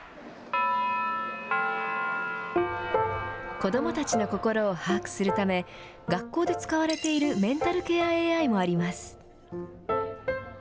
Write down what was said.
子どもたちの心を把握するため、学校で使われているメンタルケアＡＩもあります。